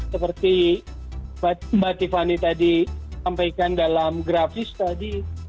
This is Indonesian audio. seperti mbak tiffany tadi sampaikan dalam grafis tadi